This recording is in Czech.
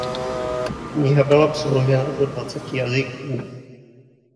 Kniha byla přeložena do dvaceti jazyků.